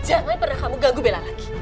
jangan pernah kamu ganggu bela lagi